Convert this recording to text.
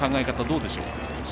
どうでしょうか？